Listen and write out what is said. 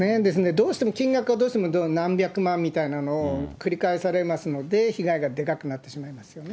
どうしても金額がどうしても、何百万みたいなのを繰り返されますので、被害がでかくなってしまいますよね。